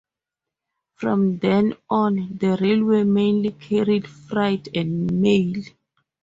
From then on, the railway mainly carried freight and mail.